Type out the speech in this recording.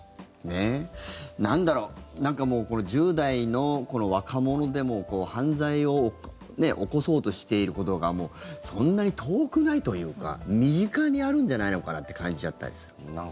なんだろうなんかもう、１０代の若者でも犯罪を起こそうとしていることがそんなに遠くないというか身近にあるんじゃないのかなって感じちゃったりする。